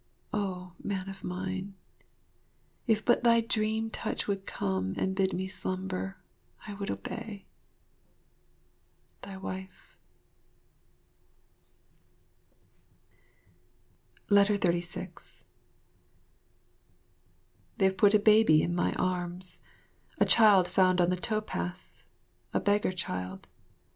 Oh, man of mine, if but thy dream touch would come and bid me slumber, I would obey. Thy Wife. 36 They have put a baby in my arms, a child found on the tow path, a beggar child.